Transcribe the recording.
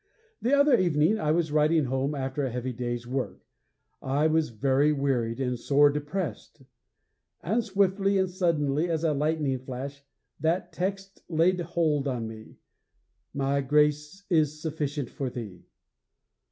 The other evening I was riding home after a heavy day's work; I was very wearied and sore depressed; and, swiftly and suddenly as a lightning flash, that text laid hold on me: _My grace is sufficient for thee!